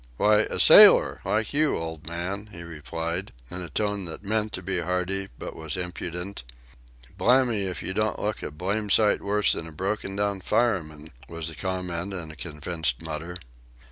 "Why, a sailor like you, old man," he replied, in a tone that meant to be hearty but was impudent. "Blamme if you don't look a blamed sight worse than a broken down fireman," was the comment in a convinced mutter.